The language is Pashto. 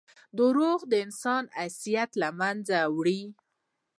• دروغ د انسان حیثیت له منځه وړي.